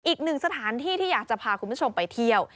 อีกหนึ่งสถานที่ที่อยากจะพาคุณผู้ชมไปเที่ยว